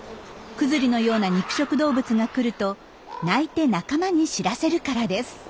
クズリのような肉食動物が来ると鳴いて仲間に知らせるからです。